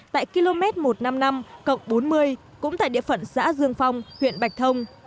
tại km một trăm năm mươi năm cộng bốn mươi cũng tại địa phận xã dương phong huyện bạch thông